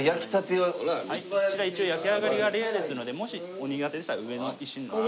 こちら一応焼き上がりがレアですのでもしお苦手でしたら上の石にのせて。